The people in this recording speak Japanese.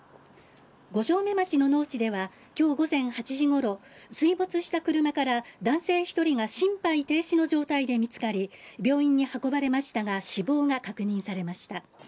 五城目町の農地では今日午前８時ごろ、水没した車から男性１人が心肺停止の状態で見つかり病院に運ばれましたが死亡が確認されました。